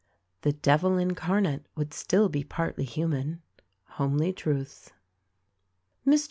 "The devil incarnate would still be partly human." — Homely Truths. Mr.